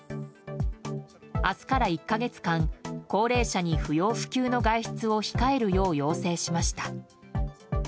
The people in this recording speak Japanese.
明日から１か月間、高齢者に不要不急の外出を控えるよう要請しました。